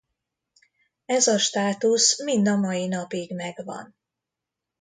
Ez a státusz mind a mai napig megvan.